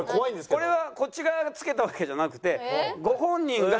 これはこっち側が付けたわけじゃなくてご本人が。